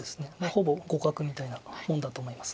ほぼ互角みたいなもんだと思います。